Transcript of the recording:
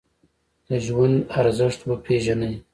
د ژوند ارزښت وپیژنئ